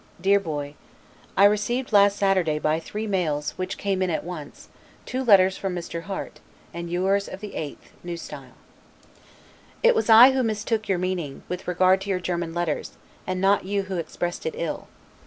DEAR BOY: I received last Saturday by three mails, which came in at once, two letters from Mr. Harte, and yours of the 8th, N. S. It was I who mistook your meaning, with regard to your German letters, and not you who expressed it ill.